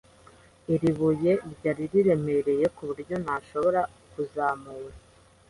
Iri buye ryari riremereye kuburyo ntashobora kuzamura.